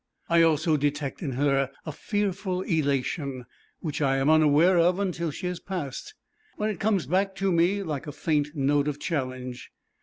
I also detect in her a fearful elation, which I am unaware of until she has passed, when it comes back to me like a faint note of challenge.